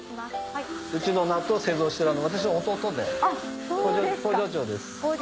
うちの納豆を製造してる私の弟で工場長です。